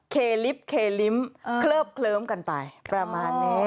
ลิฟต์เคลิ้มเคลิบเคลิ้มกันไปประมาณนี้